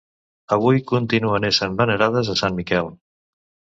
Avui, continuen essent venerades a Sant Miquel.